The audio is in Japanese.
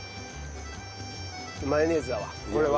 マヨネーズだわこれは。